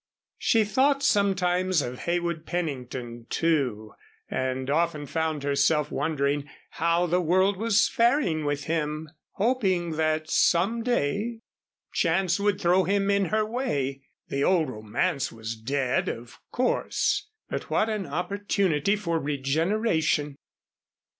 She thought sometimes of Heywood Pennington, too, and often found herself wondering how the world was faring with him, hoping that some day chance would throw him in her way. The old romance was dead, of course. But what an opportunity for regeneration!